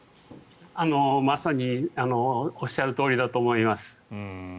まさにおっしゃるとおりだと思います。